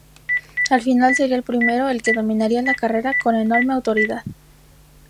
Al final, sería el primero el que dominaría la carrera con enorme autoridad.